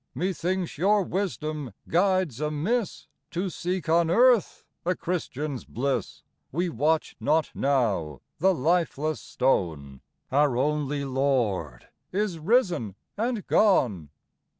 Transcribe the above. Methinks your wisdom guides amiss, To seek on earth a Christian's bliss ; We watch not now the lifeless stone : Our only Lord is risen and gone."